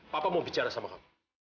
papa mau bicara sama kamu